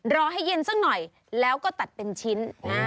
รอให้เย็นสักหน่อยแล้วก็ตัดเป็นชิ้น